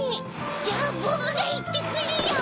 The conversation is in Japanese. じゃあボクがいってくるよ！